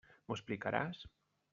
M'ho explicaràs?